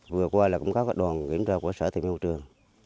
vừa qua là cũng có các đoàn kiểm tra của sở tự nguyên môi trường